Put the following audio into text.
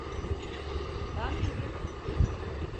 Ben miydim?